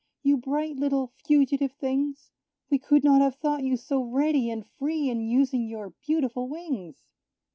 You bright little fugitive things! We could not have thought you so ready and free In using your beautiful wings.